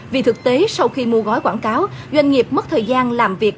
vì thực tế sau khi mua gói quảng cáo doanh nghiệp mất thời gian làm việc